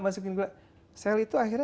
masukin gula sel itu akhirnya